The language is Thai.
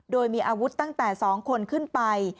โดยมีอาวุธตั้งแต่๒คนขึ้นไป